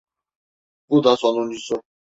Bu da sonuncusu.